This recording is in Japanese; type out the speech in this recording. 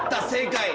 正解！